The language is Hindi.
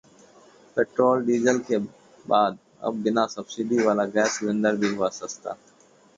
पेट्रोल-डीजल के बाद अब बिना सब्सिडी वाला गैस सिलेंडर भी हुआ सस्ता